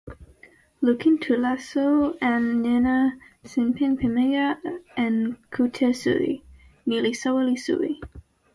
lukin tu laso en nena sinpin pimeja en kute suli. ni li soweli suwi!